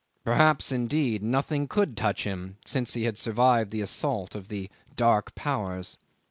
Perhaps, indeed, nothing could touch him since he had survived the assault of the dark powers.